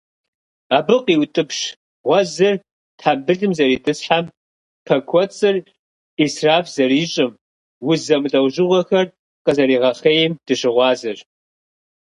Абы къиутӀыпщ гъуэзыр тхьэмбылым зэритӀысхьэм, пэ кӀуэцӀыр Ӏисраф зэрищӀым, уз зэмылӀэужьыгъуэхэр къызэригъэхъейм дыщыгъуазэщ.